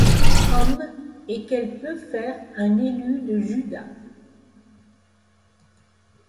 Homme, et qu’elle peut faire un élu de Judas